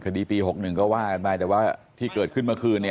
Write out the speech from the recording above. คดีปี๖๑ก็ว่ากันไปแต่ว่าที่เกิดขึ้นเมื่อคืน